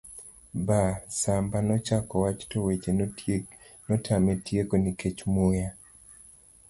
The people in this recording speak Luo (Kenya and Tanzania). ba.. Samba nochako wacho, to weche notame tieko nikech muya